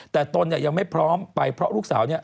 แต่ตนเนี่ยยังไม่พร้อมไปเพราะลูกสาวเนี่ย